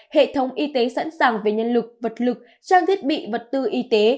hệ thống y tế sẵn sàng về nhân lực vật lực trang thiết bị vật tư y tế